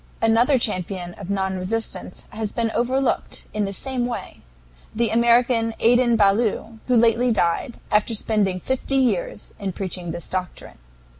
Another champion of non resistance has been overlooked in the same way the American Adin Ballou, who lately died, after spending fifty years in preaching this doctrine.